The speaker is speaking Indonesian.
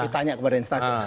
ditanya kepada instagram